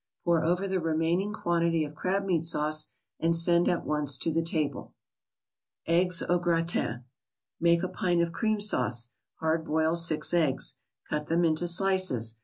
Pour over the remaining quantity of crabmeat sauce, and send at once to the table. EGGS AU GRATIN Make a pint of cream sauce. Hard boil six eggs. Cut them into slices.